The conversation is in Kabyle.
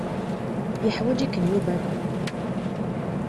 Yeḥwaǧ-iken Yuba da.